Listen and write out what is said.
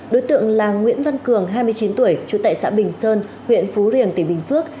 đối tượng là nguyễn văn cường hai mươi chín tuổi trú tại xã bình sơn huyện phú riềng tỉnh bình phước